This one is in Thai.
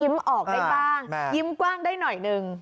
ออกได้บ้างยิ้มกว้างได้หน่อยนึง